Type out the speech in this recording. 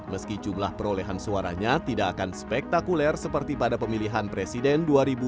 meski jumlah perolehan suaranya tidak akan spektakuler seperti pada pemilihan presiden dua ribu sembilan belas